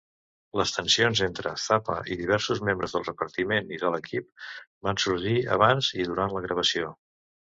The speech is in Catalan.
Les tensions entre Zappa i diversos membres del repartiment i de l'equip van sorgir abans i durant la gravació.